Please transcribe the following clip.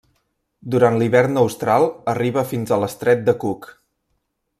Durant l'hivern austral arriba fins a l'Estret de Cook.